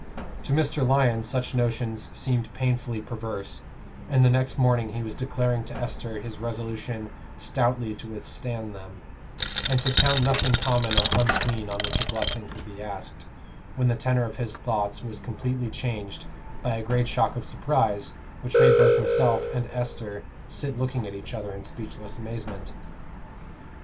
To Mr. Lyon such notions seemed painfully perverse, and the next morning he was declaring to Esther his resolution stoutly to withstand them, and to count nothing common or unclean on which a blessing could be asked, when the tenor of his thoughts was completely changed by a great shock of surprise which made both himself and Esther sit looking at each other in speechless amazement.